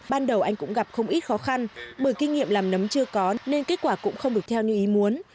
ban đầu anh cũng gặp không ít khó khăn bởi kinh nghiệm làm nấm chưa có nên kết quả cũng không được theo như ý muốn